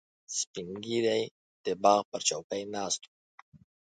سپین ږیری د باغ پر چوکۍ ناست و.